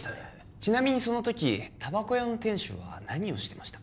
ちなみにその時タバコ屋の店主は何をしてましたか？